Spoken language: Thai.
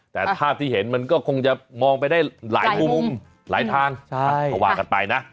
แต่ภาพที่เห็นมันก็คงจะมองไปได้หลายมุมหลายทางก็ว่ากันไปนะ